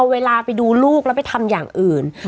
เวลาไปดูลูกแล้วไปทำอย่างอื่น